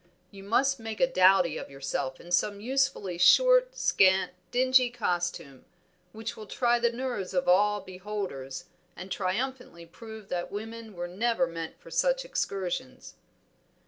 You must make a dowdy of yourself in some usefully short, scant, dingy costume, which will try the nerves of all beholders, and triumphantly prove that women were never meant for such excursions."